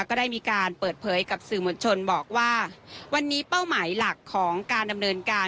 ก็ได้มีการเปิดเผยกับสื่อมวลชนบอกว่าวันนี้เป้าหมายหลักของการดำเนินการ